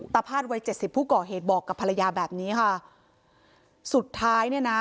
พาดวัยเจ็ดสิบผู้ก่อเหตุบอกกับภรรยาแบบนี้ค่ะสุดท้ายเนี่ยนะ